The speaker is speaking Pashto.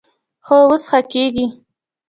هو، اوس ښه کیږي